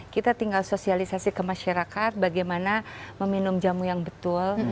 kita tinggal sosialisasi ke masyarakat bagaimana meminum jamu yang betul